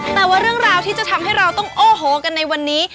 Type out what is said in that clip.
แต่ว่าเรื่องราวที่จะทำให้เราต้องโอ้โหกันในวันนี้